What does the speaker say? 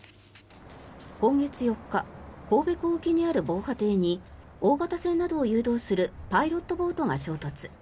今月４日神戸港沖にある防波堤に大型船などを誘導するパイロットボートが衝突。